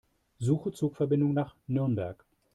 Suche Zugverbindungen nach Nürnberg.